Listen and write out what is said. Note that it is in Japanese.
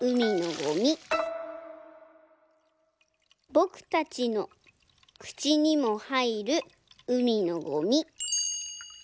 「ぼくたちのくちにもはいるうみのゴミ」。